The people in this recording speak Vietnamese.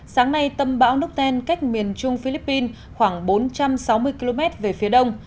sáng nay tâm bão nucten cách miền trung philippines khoảng bốn trăm sáu mươi km về phía đông